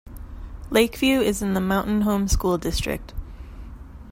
Lakeview is in the Mountain Home School District.